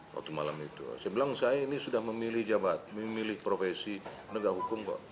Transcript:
waktu malam itu saya bilang saya ini sudah memilih jabat memilih profesi menegak hukum kok